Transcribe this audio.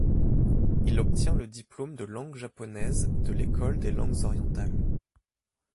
Il obtient le diplôme de langue japonaise de l'École des langues orientales.